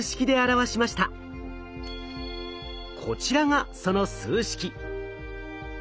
こちらがその数式。